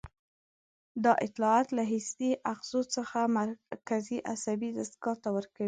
دا اطلاعات له حسي آخذو څخه مرکزي عصبي دستګاه ته ورکوي.